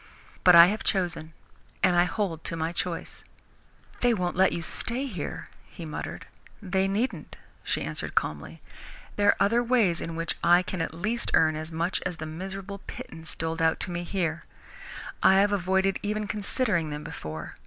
But I have chosen, and I hold to my choice." "They won't let you stay here," he muttered. "They needn't," she answered calmly. "There are other ways in which I can at least earn as much as the miserable pittance doled out to me here. I have avoided even considering them before.